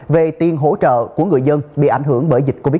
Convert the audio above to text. về tiền hỗ trợ của người dân bị ảnh hưởng bởi dịch covid một mươi chín